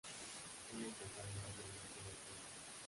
Suele alcanzar más de un metro de altura.